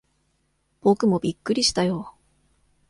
僕もびっくりしたよ。